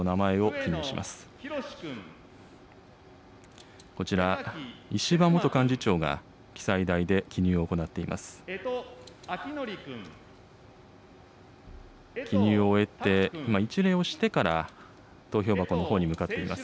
記入を終えて、今、一礼をしてから、投票箱のほうに向かっています。